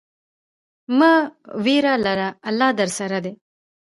مه ویره لره، الله درسره دی.